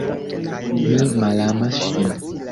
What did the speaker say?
Mi malamas ŝin.